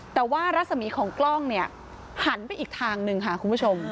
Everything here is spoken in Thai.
แต่ว่ารัศมีของกล้องเนี่ยหันไปอีกทางหนึ่งค่ะคุณผู้ชม